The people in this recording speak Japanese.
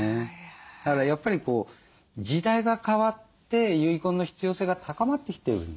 だからやっぱり時代が変わって遺言の必要性が高まってきてるんじゃないですかね？